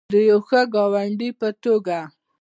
د یو ښه ګاونډي په توګه.